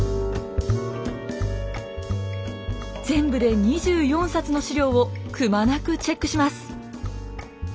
全部で２４冊の資料をくまなくチェックします。